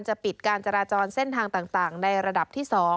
ปิดการจราจรเส้นทางต่างในระดับที่๒